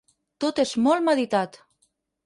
Tot és molt meditat.